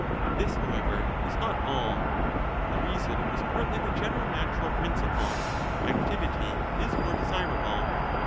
This, however, is not all; 40 the reason is partly the general natural principle — activity 1241'' is more desirable.